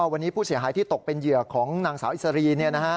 วันนี้ผู้เสียหายที่ตกเป็นเหยื่อของนางสาวอิสรี